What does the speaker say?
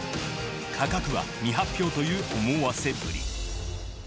価格は未発表という思わせぶり。